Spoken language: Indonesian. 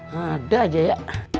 gak ada aja ya